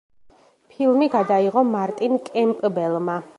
ფილმი გადაიღო მარტინ კემპბელმა.